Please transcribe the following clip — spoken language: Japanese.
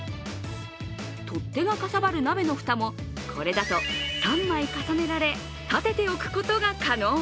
取っ手がかさばる鍋の蓋もこれだと３枚重ねられ立てておくことが可能。